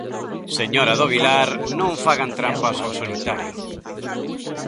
Señora do Vilar, non fagan trampas ao solitario.